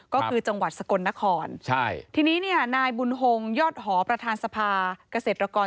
ก็คือจังหวัดสกลนครใช่ทีนี้เนี่ยนายบุญฮงยอดหอประธานสภาเกษตรกร